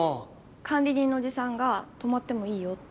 管理人のおじさんが泊まってもいいよって。